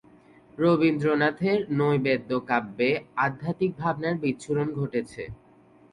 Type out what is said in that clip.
রবীন্দ্রনাথের "নৈবেদ্য" কাব্যে আধ্যাত্মিক ভাবনার বিচ্ছুরণ ঘটেছে।